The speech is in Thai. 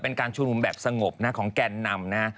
เป็นการชุมนุมแบบสงบนะของแก่นนำนะ